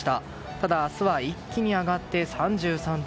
ただ明日は一気に上がって３３度。